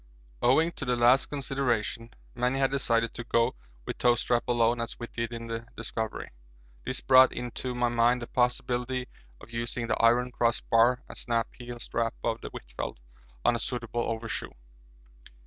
Owing to the last consideration many had decided to go with toe strap alone as we did in the Discovery. This brought into my mind the possibility of using the iron cross bar and snap heel strap of the Huitfeldt on a suitable overshoe.